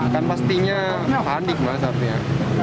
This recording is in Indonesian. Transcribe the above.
kan pastinya pandik mah saatnya